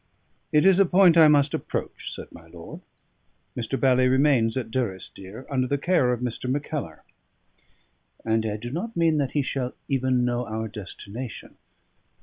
"It is a point I must approach," said my lord. "Mr. Bally remains at Durrisdeer, under the care of Mr. Mackellar; and I do not mean that he shall even know our destination."